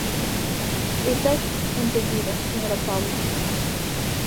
Está entendido, señora Paulo.